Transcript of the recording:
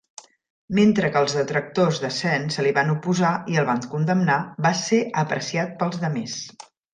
Mentre que els detractors de Sen se li van oposar i el van condemnar, va ser apreciat pels demés.